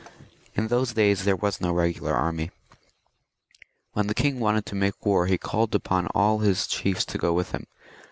In those days there was no regular army and no regular soldiers. When the king wanted to make war he called upon all his chiefs to go with him.